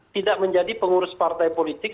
tidak menjadi pengurus partai politik